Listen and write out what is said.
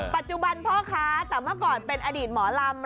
พ่อค้าแต่เมื่อก่อนเป็นอดีตหมอลำ